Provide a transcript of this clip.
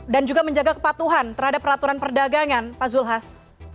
dan juga menjaga kepatuhan terhadap peraturan perdagangan pak zulhas